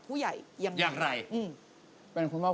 คุณฟังผมแป๊บนึงนะครับ